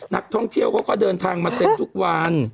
นักท่องเที่ยวก็ค่ะเดินทางมาเต้นไปทุกวัน